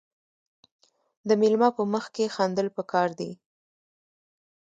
د میلمه په مخ کې خندل پکار دي.